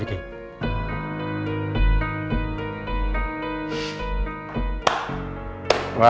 tidak mungkin hassaran